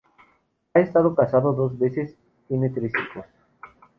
Ha estado casado dos veces, tiene tres hijos.